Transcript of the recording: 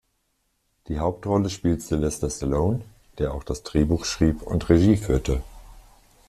Die Hauptrolle spielt Sylvester Stallone, der auch das Drehbuch schrieb und Regie führte.